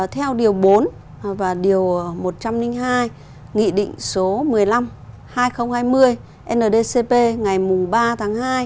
theo điều bốn và điều một trăm linh hai nghị định số một mươi năm hai nghìn hai mươi ndcp ngày ba tháng hai